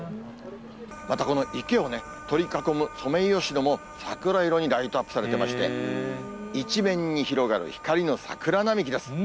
またこの池を取り囲むソメイヨシノも、桜色にライトアップされてまして、一面に広がる光の桜並木です。